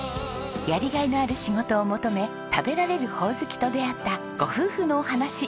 やりがいのある仕事を求め食べられるほおずきと出会ったご夫婦のお話。